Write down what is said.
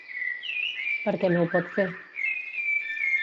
Per què no ho pot fer?